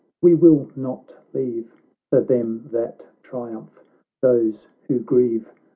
— We will not leave, For them that triumph, those who grieve.